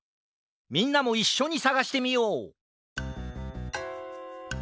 みんなもいっしょにさがしてみよう！